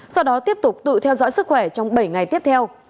sau đó tiếp tục tự theo dõi sức khỏe trong bảy ngày tiếp theo